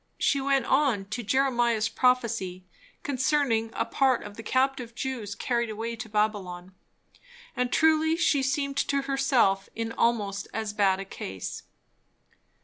She went on, to Jeremiah's prophecy concerning a part of the captive Jews carried away to Babylon. And truly she seemed to herself in almost as bad a case.